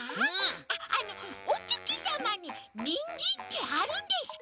あっあのおつきさまにニンジンってあるんですか？